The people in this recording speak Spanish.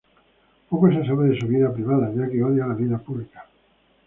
Poco se sabe de su vida privada, ya que odia la vida pública.